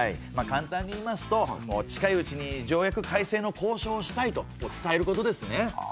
簡単にいいますと近いうちに条約改正の交渉をしたいと伝えることですね。